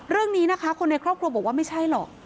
เรื่องนี้นะคะคนในครอบครัวบอกว่าไม่ใช่หรอก